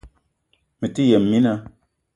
Mete yëm mina